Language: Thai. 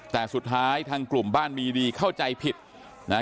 แต่สุดท้ายทางกลุ่มบ้านมีดีเข้าใจผิดนะฮะ